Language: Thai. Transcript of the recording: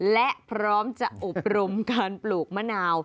และพร้อมจะอบรมการปลูกมะนาว